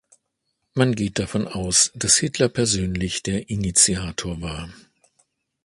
Man geht davon aus, dass Hitler persönlich der Initiator war.